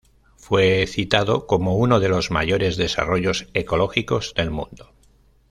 Fue citado como "uno de los mayores desarrollos ecológicos del mundo".